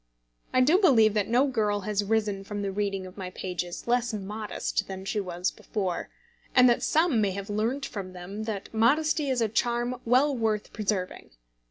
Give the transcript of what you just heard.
I do believe that no girl has risen from the reading of my pages less modest than she was before, and that some may have learned from them that modesty is a charm well worth preserving.